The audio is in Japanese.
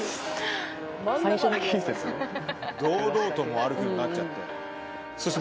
堂々と歩くようになっちゃって。